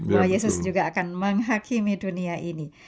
bahwa yesus juga akan menghakimi dunia ini